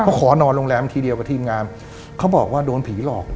เขาขอนอนโรงแรมทีเดียวกับทีมงานเขาบอกว่าโดนผีหลอก